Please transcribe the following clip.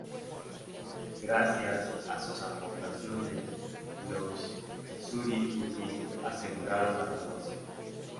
Gracias a sus aportaciones, los "txuri-urdin" aseguraron la salvación.